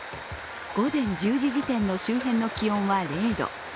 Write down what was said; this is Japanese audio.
午前１０時時点の周辺の気温は０度。